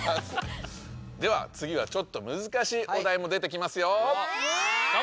では次はちょっとむずかしいお題も出てきますよ。